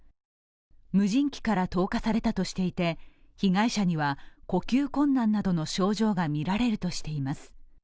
無人機から投下されたとしていて被害者には呼吸困難などの症状がみられるとしています。